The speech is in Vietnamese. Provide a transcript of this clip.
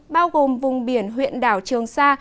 bao gồm vùng biển huyện đảo trường sa